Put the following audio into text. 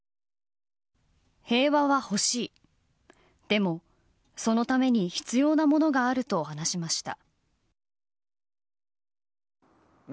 でも、そのために必要なものがあると話しました。